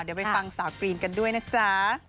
เดี๋ยวไปฟังสาวกรีนกันด้วยนะจ๊ะ